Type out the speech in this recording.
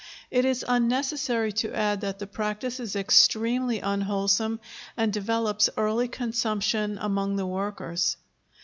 It is unnecessary to add that the practice is extremely unwholesome and develops early consumption among the workers.